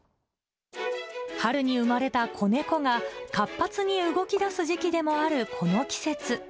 春に生まれた子猫が、活発に動き出す時期でもあるこの季節。